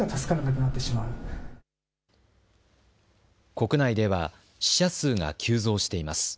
国内では死者数が急増しています。